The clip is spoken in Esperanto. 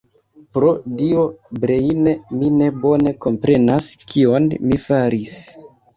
Pro Dio, Breine, mi ne bone komprenas, kion mi faris.